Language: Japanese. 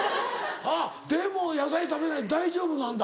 あっでも野菜食べないで大丈夫なんだ。